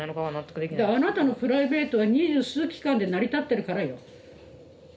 だからあなたのプライベートは二十数機関で成り立ってるからよ。